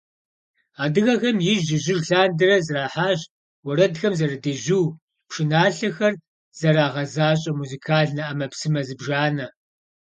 Адыгэхэм ижь-ижьыж лъандэрэ зэрахьащ уэрэдхэм зэрыдежьу, пшыналъэхэр зэрагъэзащӀэ музыкальнэ Ӏэмэпсымэ зыбжанэ.